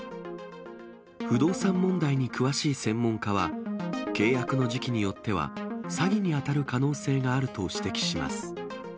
不動産問題に詳しい専門家は、契約の時期によっては、詐欺に当たる可能性があると指摘します。